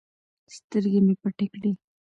سترگې مې پټې کړې.